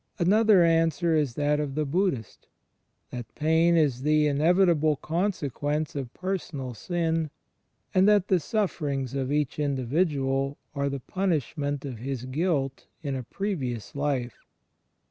Another answer is that of the Buddhist^ that pain is the inevitable consequence of personal sin, and that the sufferings of each individual are the pim ishment of his guilt in a previous life.